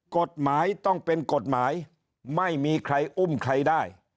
กฎหมายต้องเป็นกฎหมายไม่มีใครอุ้มใครได้